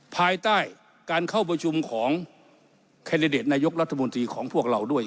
ภายใต้การเข้าประชุมของแคนดิเดตนายกรัฐมนตรีของพวกเราด้วย